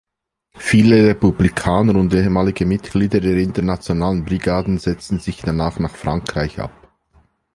Viele Republikaner und ehemalige Mitglieder der Internationalen Brigaden setzten sich danach nach Frankreich ab.